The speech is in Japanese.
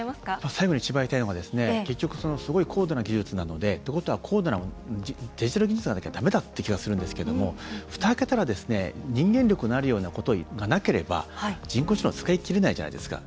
最後に一番言いたいのが結局、すごい高度な技術なので。ってことは高度なデジタル技術なんだけどだめだって気がするんですけどもふたを開けたら、人間力のあるようなことがなければ人工知能は使い切れないじゃないですか。